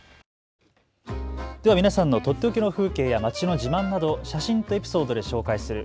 では皆さんのとっておきの風景や街の自慢などを写真とエピソードで紹介する＃